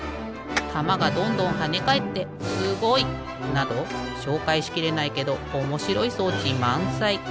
たまがどんどんはねかえってすごい！などしょうかいしきれないけどおもしろい装置まんさい！